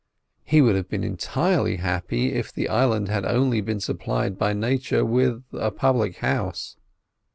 He would have been entirely happy if the island had only been supplied by Nature with a public house.